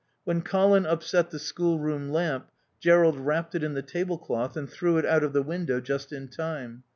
When Colin upset the schoolroom lamp Jerrold wrapped it in the tablecloth and threw it out of the window just in time.